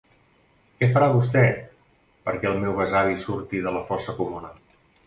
Què farà vostè perquè el meu besavi surti de la fossa comuna?